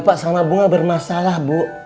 pak sama bunga bermasalah bu